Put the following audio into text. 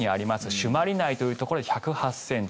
朱鞠内というところで１０８ｃｍ。